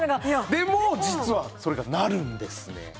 でも実はそれがなるんですね。